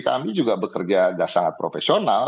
kami juga bekerja sangat profesional